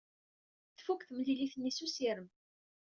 Tfuk temlilit-nni s ussirem.